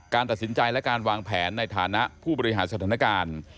ตัดสินใจและการวางแผนในฐานะผู้บริหารสถานการณ์